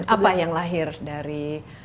apa yang lahir dari